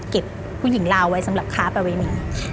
ผู้หญิงลาวไว้สำหรับค้าประเวณี